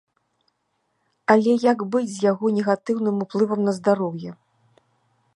Але як быць з яго негатыўным уплывам на здароўе?